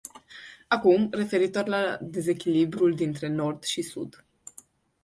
Acum, referitor la dezechilibrul dintre nord și sud.